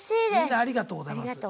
ありがとうございます。